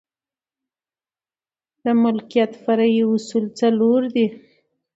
د ملوکیت فرعي اصول څلور دي.